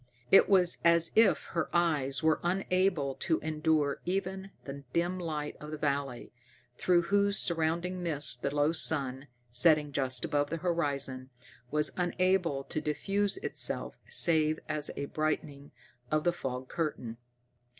It was as if her eyes were unable to endure even the dim light of the valley, through whose surrounding mists the low sun, setting just above the horizon, was unable to diffuse itself save as a brightening of the fog curtain.